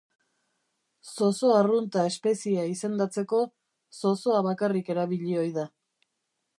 Zozo arrunta espeziea izendatzeko zozoa bakarrik erabili ohi da.